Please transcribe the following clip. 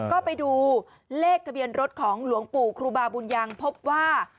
ก็ไปดูเลขทะเบียนรถของหลวงปู่ครูบาบุญยังพบว่า